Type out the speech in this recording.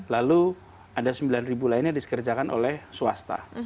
lalu ada sembilan ribu lainnya dikerjakan oleh swasta